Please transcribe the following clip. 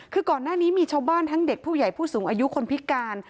คือก่อนหน้านี้มีชาวบ้านทั้งเด็กผู้ใหญ่ผู้สูงอายุคนพิการ